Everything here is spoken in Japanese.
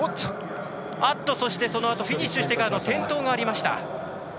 そのあとフィニッシュしてから転倒がありました。